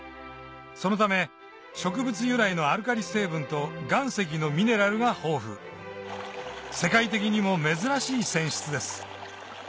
そのため植物由来のアルカリ成分と岩石のミネラルが豊富世界的にも珍しい泉質です